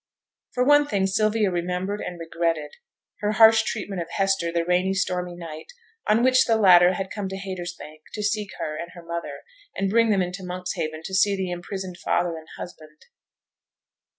For one thing Sylvia remembered and regretted her harsh treatment of Hester the rainy, stormy night on which the latter had come to Haytersbank to seek her and her mother, and bring them into Monkshaven to see the imprisoned father and husband.